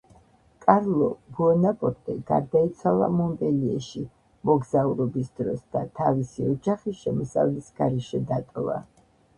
კარლო ბუონაპარტე გარდაიცვალა მონპელიეში მოგზაურობის დროს და თავისი ოჯახი შემოსავლის გარეშე დატოვა.